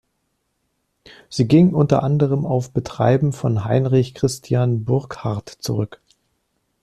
Sie ging unter anderem auf Betreiben von Heinrich Christian Burckhardt zurück.